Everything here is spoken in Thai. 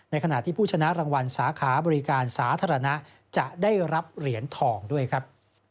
ขณะที่ผู้ชนะรางวัลสาขาบริการสาธารณะจะได้รับเหรียญทองด้วยครับ